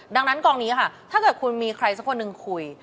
ดังนั้นกองนี้ค่ะถ้าเกิดคุณมีใครสักคนหนึ่งคุย